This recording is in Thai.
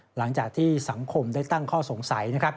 หลังจากที่สังคมได้ตั้งข้อสงสัยนะครับ